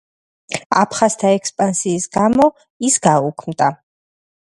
აფხაზთა ექსპანსიის გამო ის გაუქმდა.